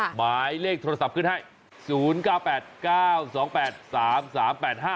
หมายเลขโทรศัพท์ขึ้นให้๐๙๘๙๒๘๓๓๘๕